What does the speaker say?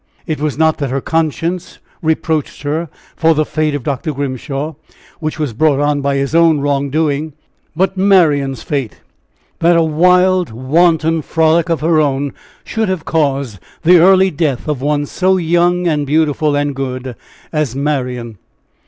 It was not that her conscience reproached her for the fate of Dr. Grimshaw, which was brought on by his own wrongdoing, but Marian's fate that a wild, wanton frolic of her own should have caused the early death of one so young, and beautiful, and good as Marian!